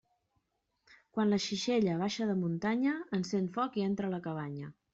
Quan la xixella baixa de muntanya, encén foc i entra a la cabanya.